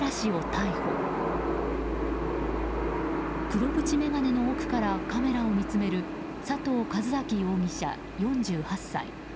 黒縁眼鏡の奥からカメラを見つめる佐藤一昭容疑者、４８歳。